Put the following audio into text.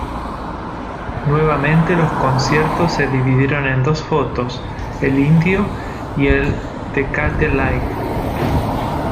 Nuevamente los conciertos se dividieron en dos fotos, el Indio y el Tecate Light.